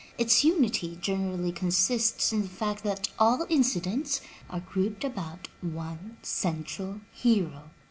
Its unity generally consists in the fact that all the incidents are grouped about one central hero.